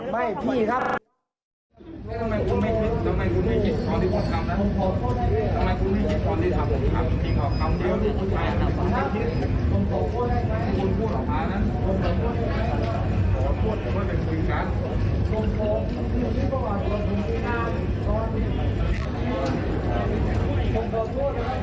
ไม่พี่ครับ